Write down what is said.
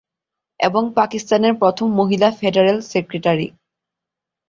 এবং পাকিস্তানের প্রথম মহিলা ফেডারেল সেক্রেটারি।